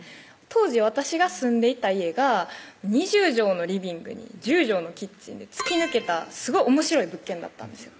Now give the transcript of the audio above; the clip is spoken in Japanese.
当時私が住んでいた家が２０畳のリビングに１０畳のキッチンで突き抜けたすごい面白い物件だったんですよ